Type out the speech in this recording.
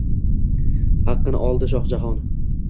Haqqin oldi Shoh Jahon.